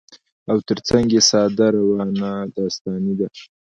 او تر څنګ يې ساده، روانه داستاني ده